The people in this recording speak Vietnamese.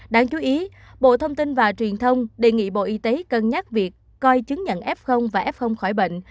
đáng chú ý bộ thông tin và truyền thông đề nghị bộ y tế cân nhắc việc coi chứng nhận f và f khỏi bệnh